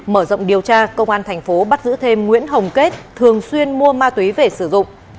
mở rộng điều tra công an thành phố bắt giữ thêm nguyễn hồng kết thường xuyên mua ma túy về sử dụng